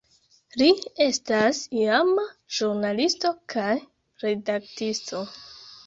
Li estas iama ĵurnalisto kaj redaktisto.